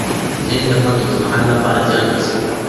ځینې درمل د اوږد مهال لپاره زیان رسوي.